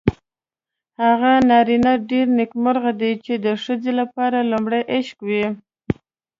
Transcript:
هغه نارینه ډېر نېکمرغه دی چې د ښځې لپاره لومړی عشق وي.